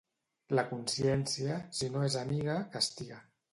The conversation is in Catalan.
La consciència, si no és amiga, castiga.